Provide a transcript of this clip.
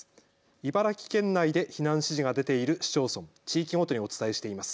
茨城県内で避難指示が出ている市町村、地域ごとにお伝えしています。